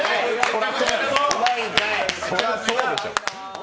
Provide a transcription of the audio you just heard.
そりゃそうでしょう。